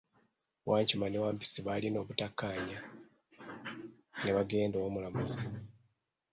Wankima ne Wampisi baalina obutakaanya ne bagenda ew'omulamuzi.